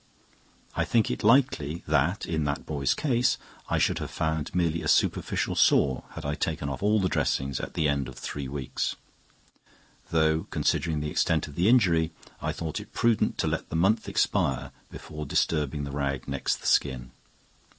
I think it likely that, in that boy's case, I should have found merely a superficial sore had I taken off all the dressings at the end of the three weeks; though, considering the extent of the injury, I thought it prudent to let the month expire before disturbing the rag next the skin.